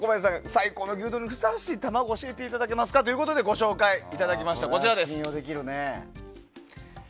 最高の牛丼にふさわしい卵を教えていただけますかということで教えていただきました。